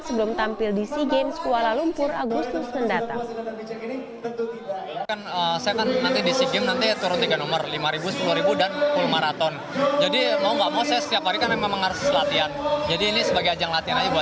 sebelum tampil di si game sekolah lumpur agus terus mendatang